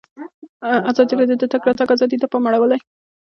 ازادي راډیو د د تګ راتګ ازادي ته پام اړولی.